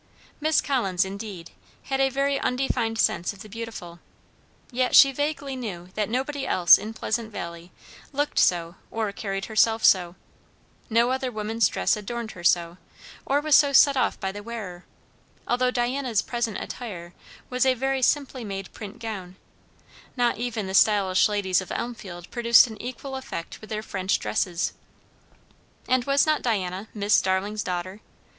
Miss Collins, indeed, had a very undefined sense of the beautiful; yet she vaguely knew that nobody else in Pleasant Valley looked so or carried herself so; no other woman's dress adorned her so, or was so set off by the wearer; although Diana's present attire was a very simply made print gown, not even the stylish ladies of Elmfield produced an equal effect with their French dresses. And was not Diana "Mis' Starling's daughter?"